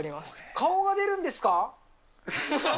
顔が出るんですか？